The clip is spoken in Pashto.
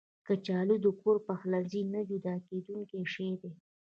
کچالو د کور پخلنځي نه جدا کېدونکی شی دی